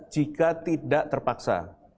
jika tidak terpaksa